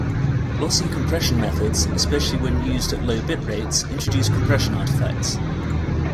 Lossy compression methods, especially when used at low bit rates, introduce compression artifacts.